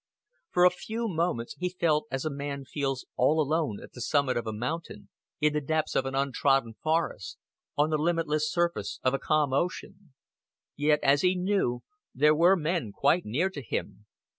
For a few moments he felt as a man feels all alone at the summit of a mountain, in the depths of an untrodden forest, on the limitless surface of a calm ocean. Yet, as he knew, there were men quite near to him.